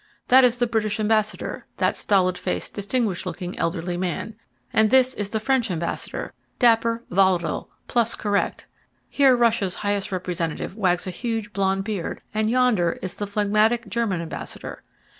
That is the British ambassador, that stolid faced, distinguished looking, elderly man; and this is the French ambassador, dapper, volatile, plus correct; here Russia's highest representative wags a huge, blond beard; and yonder is the phlegmatic German ambassador.